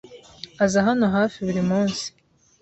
Aza hano hafi buri munsi.